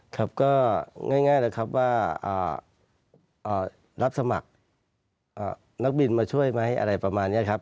ครับก็ง่ายนะครับว่ารับสมัครนักบินมาช่วยไหมอะไรประมาณนี้ครับ